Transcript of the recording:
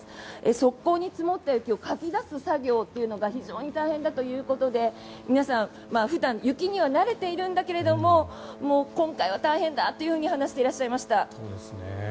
側溝に積もった雪をかき出す作業というのが非常に大変だということで皆さん、普段雪には慣れているんだけれどももう今回は大変だというふうに話していらっしゃいました。